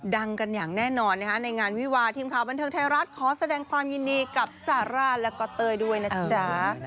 ดังกันอย่างแน่นอนนะคะในงานวิวาทีมข่าวบันเทิงไทยรัฐขอแสดงความยินดีกับซาร่าแล้วก็เต้ยด้วยนะจ๊ะ